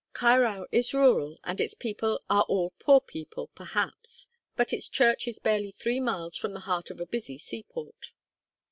Caerau is rural, and its people are all poor people, perhaps; but its church is barely three miles from the heart of a busy seaport.